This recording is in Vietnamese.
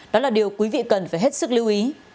đó là điều quý vị cần phải hết sức lưu ý